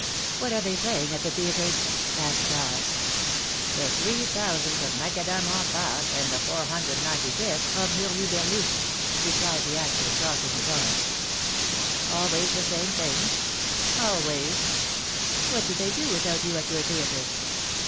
What are they playing at the theatres?" asked Charles. The 3000th of Macadam en pate and the 495th of Hurluberlus/^ replied the actor, crossing his arms. ^'Always the same things ?" Always." What do they do without you at your theatre?"